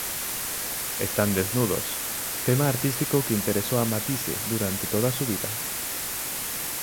Están desnudos, tema artístico que interesó a Matisse durante toda su vida.